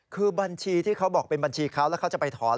คือบัญชีที่เขาบอกเป็นบัญชีเขาแล้วเขาจะไปถอน